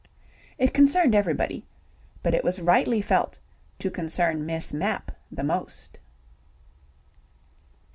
It concerned everybody, but it was rightly felt to concern Miss Mapp the most.